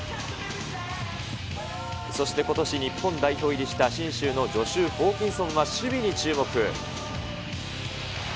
そしてことし日本代表入りした、信州のジョシュ・ホーキンソンは守備に注目。